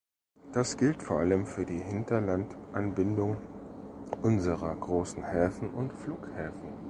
Das gilt vor allem für die Hinterlandanbindung unserer großen Häfen und Flughäfen.